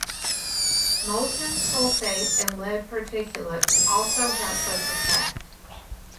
Molten sulfate and lead particulates also have such effect.